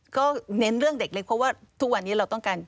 ก็เน้นเรื่องเด็กเล็กเพราะว่าทุกวันนี้เราต้องการ